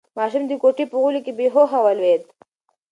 ماشوم د کوټې په غولي کې بې هوښه ولوېد.